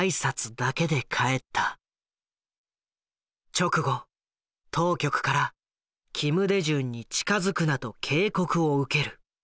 直後当局から「金大中に近づくな」と警告を受ける。